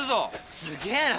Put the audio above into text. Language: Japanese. すげえな。